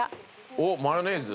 おっマヨネーズ？